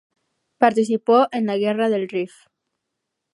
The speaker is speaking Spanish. Participó en la Guerra del Rif.